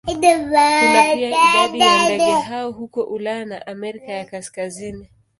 Kuna pia idadi ya ndege hao huko Ulaya na Amerika ya Kaskazini.